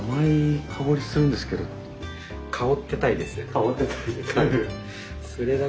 香っていたい。